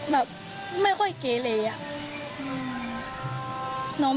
แบบไม่ค่อยเก๋เลอ่ะอืม